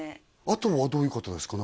あとはどういう方ですか？